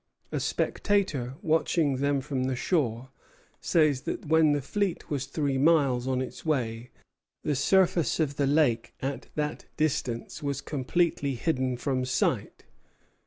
A spectator watching them from the shore says that when the fleet was three miles on its way, the surface of the lake at that distance was completely hidden from sight.